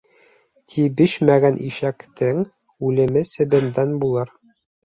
Тибешмәгән ишәктең үлеме себендән булыр.